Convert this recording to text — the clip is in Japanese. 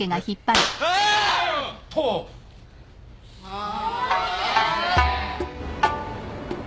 ああ。